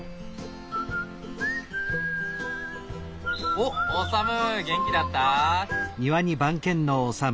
おっオサム元気だった？